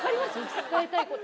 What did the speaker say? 伝えたいこと。